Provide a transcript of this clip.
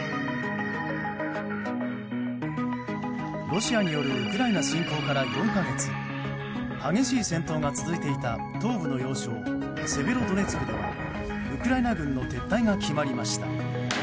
ロシアによるウクライナ侵攻から４か月激しい戦闘が続いていた東部の要衝セベロドネツクではウクライナ軍の撤退が決まりました。